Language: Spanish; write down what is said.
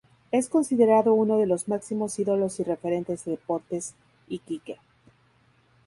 Es considerado uno de los máximos ídolos y referentes de Deportes Iquique.